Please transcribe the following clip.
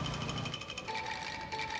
katanya dia besok dipanggil ke rumahmu